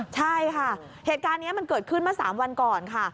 ใช่ค่ะเหตุการณ์นี้มันเกิดขึ้นเมื่อ๓วันก่อนค่ะ